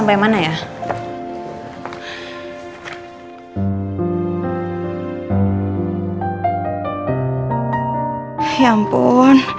terima kasih reina